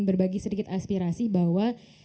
berbagi sedikit aspirasi bahwa